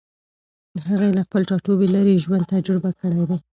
هغې له خپل ټاټوبي لېرې ژوند تجربه کړی دی.